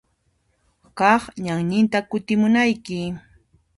Kaq ñanninta kutimunayki.